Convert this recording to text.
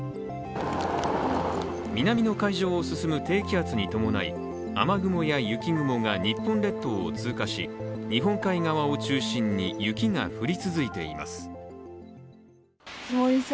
南の海上を進む低気圧に伴い雨雲や雪雲が日本列島を通過し日本海側を中心に雪が降り続いています。